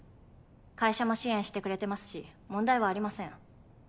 会社も支援してくれてますし問題はありません。